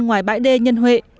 ngoài bãi đề nhân huệ